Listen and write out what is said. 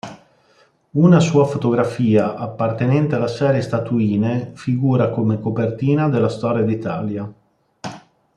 Una sua fotografia appartenente alla serie "Statuine" figura come copertina della "Storia d'Italia.